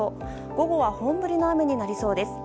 午後は本降りの雨になりそうです。